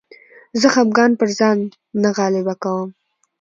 زه خپګان پر ځان نه غالبه کوم.